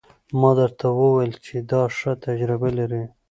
ما درته وويل چې دا ښه تجربه لري.